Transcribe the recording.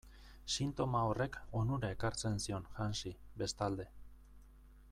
Sintoma horrek onura ekartzen zion Hansi, bestalde.